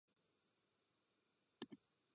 Vodní dýmky mají několik modifikací.